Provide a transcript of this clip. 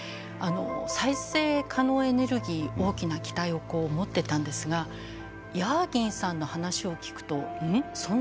再生可能エネルギー大きな期待を持ってたんですがヤーギンさんの話を聞くとうん？